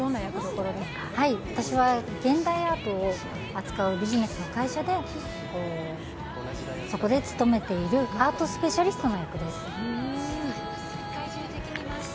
私は現代アートを扱うビジネスの会社でそこで務めているアートスペシャリストの役です。